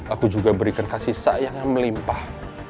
aku juga berikan kasih sayang yang melimpah